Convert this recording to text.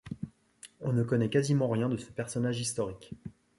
On ne connait quasiment rien de ce personnage historique.